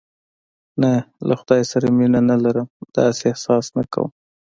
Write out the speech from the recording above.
نه، له خدای سره مینه نه لرم، داسې احساس نه کوم.